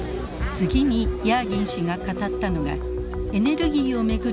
次にヤーギン氏が語ったのがエネルギーを巡る